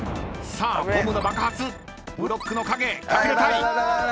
［さあボムの爆発ブロックの陰隠れたい］